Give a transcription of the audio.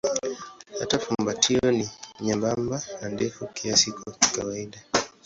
Hata fumbatio ni nyembamba na ndefu kiasi kwa kawaida.